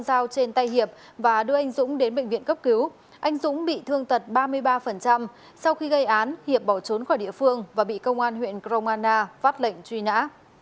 anh dũng bị thương tật ba mươi ba sau khi gây án hiệp bỏ trốn khỏi địa phương và bị công an huyện gromana phát lệnh truy nã